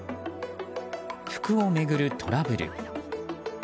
服を巡るトラブル。